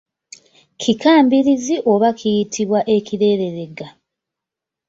Kikambirizi oba kiyitibwa ekireregga.